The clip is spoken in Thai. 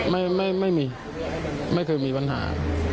ไม่แต่ไม่มีไม่เคยมีปัญหา